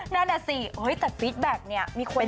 นั่นก็สิแต่ลำบากนี่มีคนติดต่อ